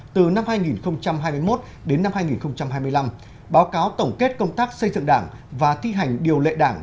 từ năm hai nghìn hai mươi một đến năm hai nghìn hai mươi năm báo cáo tổng kết công tác xây dựng đảng và thi hành điều lệ đảng